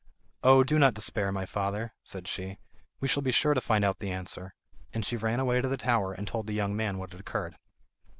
"Oh, do not despair, my father," said she. "We shall be sure to find out the answer"; and she ran away to the tower, and told the young man what had occurred.